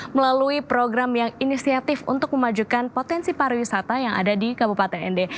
melalui program yang inisiatif untuk memajukan potensi pariwisata yang ada di kabupaten nd